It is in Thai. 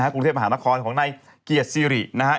กรุงเทพฯมหาลักษณ์ของในเกียรติศิริ